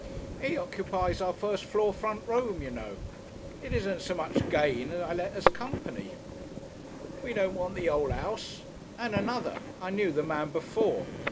"He occupies our first floor front room, you know. It isn't so much for gain I let as company. We don't want the whole 'ouse, and another, I knew the man before.